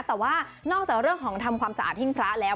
แต่ว่านอกจากเรื่องของทำความสะอาดหิ้งพระแล้ว